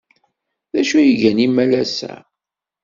D acu ay gan imalas-a?